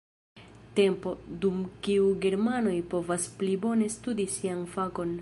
Tempo, dum kiu germanoj povas pli bone studi sian fakon.